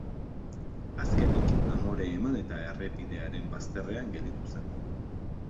Azkenik, amore eman eta errepidearen bazterrean gelditu zen.